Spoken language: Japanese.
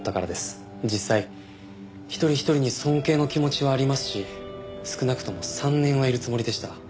実際一人一人に尊敬の気持ちはありますし少なくとも３年はいるつもりでした。